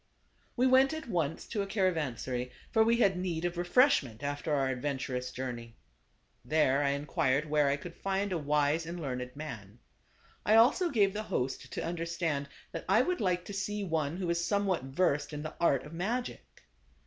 We went at once to a caravansary ; for we had need of refreshment after our adventurous /Avlex j° urne y* There I inquired where I /g\J could find a wise and learned man. I also gave the host to understand that I would like to see one who was somewhat versed in the art of magic.